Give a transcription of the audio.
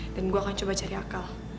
dan gue akan coba cari akal